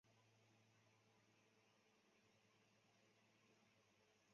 萨尔扎人口变化图示